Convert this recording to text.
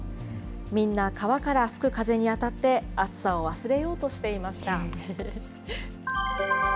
みんな、川から吹く風に当たって暑さを忘れようとしていました。